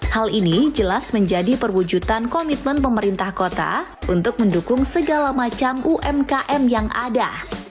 hal ini jelas menjadi perwujudan komitmen pemerintah kota untuk mendukung segala macam umkm yang ada